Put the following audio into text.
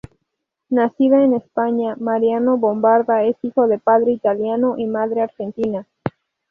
Nacido en España, Mariano Bombarda es hijo de padre italiano y madre argentina.